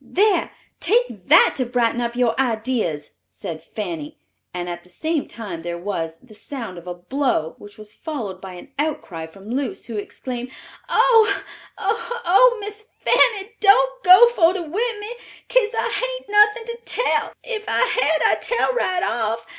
"There, take, that to brighten up your ideas," said Fanny, and at the same time there was, the sound of a blow, which was followed by an outcry from Luce, who exclaimed, "Oh—oh—oh—Miss Fanny, don't go for to whip me, 'case I haint nothin to tell; if I had I'd tell right off.